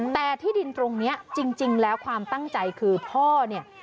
แต่ที่ดินตรงนี้จริงแล้วความตั้งใจคือพ่อเนี่ย